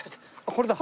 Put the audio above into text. これだ。